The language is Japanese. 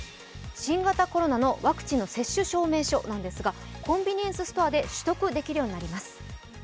新型コロナのワクチンの接種証明書なんですが、コンビニエンスストアで取得できるようになります。